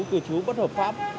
cư trú bất hợp pháp